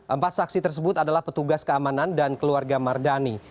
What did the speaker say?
empat saksi tersebut adalah petugas keamanan dan keluarga mardani